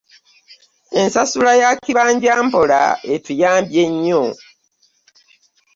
Ensasula ya kibanja mpola etuyambye nnyo.